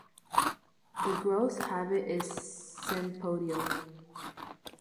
The growth habit is sympodial.